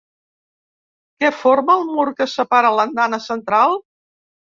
Què forma el mur que separa l'andana central?